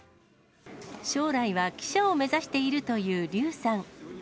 将来は記者を目指しているという劉さん。